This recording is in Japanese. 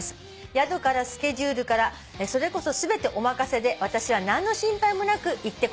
「宿からスケジュールからそれこそ全てお任せで私は何の心配もなく行ってこられそうです」